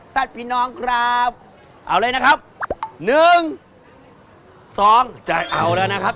ญาติพี่น้องครับเอาเลยนะครับ๑๒จะเอาแล้วนะครับ